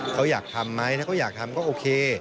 เขาอยากทำไหมถ้าเขาอยากทำก็โอเค